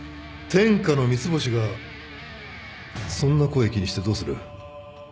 天下の三ツ星がそんな声気にしてどうする。